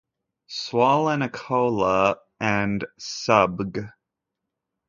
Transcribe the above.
"Swallenochloa" and subg.